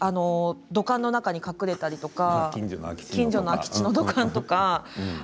土管の中に隠れたり近所の空き地の土管とか。